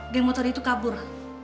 geng motornya itu kabur